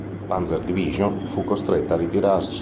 Panzer-Division fu costretta a ritirarsi.